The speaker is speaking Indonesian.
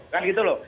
kan gitu loh